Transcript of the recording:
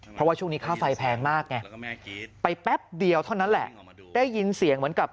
เพราะว่าช่วงนี้ค่าไฟแพงมากไงไปแป๊บเดียวเท่านั้นแหละได้ยินเสียงเหมือนกับ